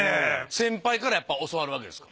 先輩から教わるわけですか？